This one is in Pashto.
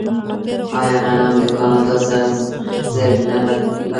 آیا غنم د کاناډا سره زر نه بلل کیږي؟